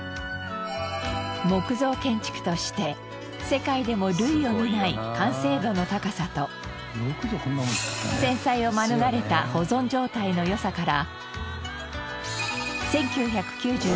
木造建築として世界でも類を見ない完成度の高さと戦災を免れた保存状態の良さから。